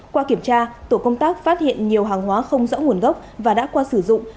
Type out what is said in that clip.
qua kiểm tra tổ công tác phát hiện nhiều hàng hóa không rõ nguồn gốc và đã qua sử dụng